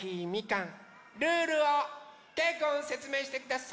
ルールをけいくんせつめいしてください。